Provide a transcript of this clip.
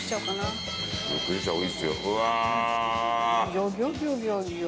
ギョギョギョギョギョ！